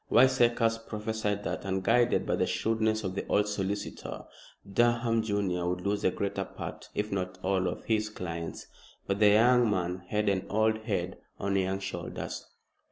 Wiseacres prophesied that, unguided by the shrewdness of the old solicitor, Durham junior, would lose the greater part, if not all, of his clients. But the young man had an old head on young shoulders.